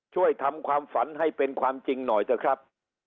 ช่วยทำความฝันให้เป็นความจริงหน่อยเถอะครับ